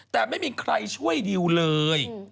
แต่ไม่มีใครช่วยดิวเลย